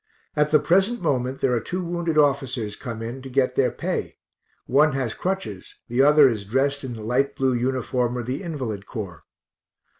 At the present moment there are two wounded officers come in to get their pay one has crutches; the other is drest in the light blue uniform of the invalid corps.